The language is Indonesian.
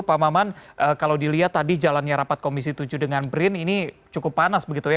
pak maman kalau dilihat tadi jalannya rapat komisi tujuh dengan brin ini cukup panas begitu ya